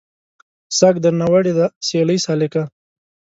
ساګ درنه وړی دی سیلۍ سالکه